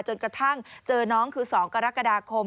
จนกระทั่งเจอน้องคือ๒กรกฎาคม